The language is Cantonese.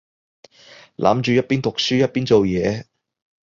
諗住一邊讀書一邊做嘢